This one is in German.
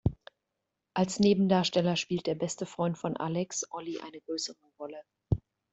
Als Nebendarsteller spielt der beste Freund von "Alex", "Oli" eine größere Rolle.